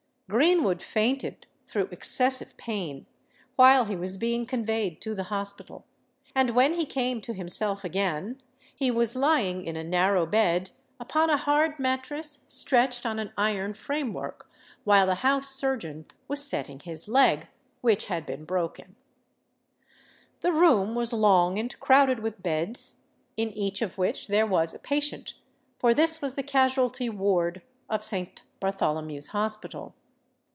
Greenwood fainted, through excessive pain, while he was being conveyed to the hospital; and when he came to himself again, he was lying in a narrow bed, upon a hard mattress stretched on an iron framework, while the house surgeon was setting his leg, which had been broken. The room was long and crowded with beds, in each of which there was a patient; for this was the Casualty Ward of Saint Bartholomew's Hospital.